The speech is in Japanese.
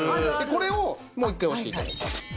これをもう一回押して頂いて。